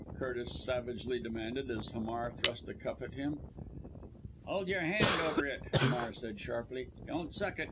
Curtis savagely demanded, as Hamar thrust a cup at him. "Hold your hand over it!" Hamar said sharply. "Don't suck it!